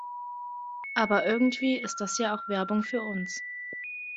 Aber irgendwie ist das ja auch Werbung für uns.